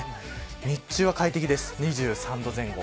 日中は快適です、２３度前後。